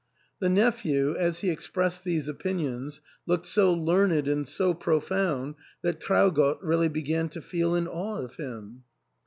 The nephew, as he expressed these opinions, looked so learned and so profound that Traugott really began to feel in awe of him.